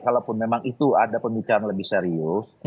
kalaupun memang itu ada pembicaraan lebih serius